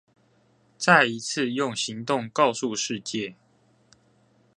再一次用行動告訴世界